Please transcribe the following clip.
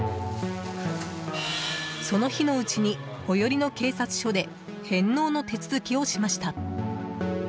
その日のうちに最寄りの警察署で返納の手続きをしました。